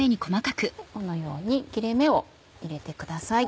このように切れ目を入れてください。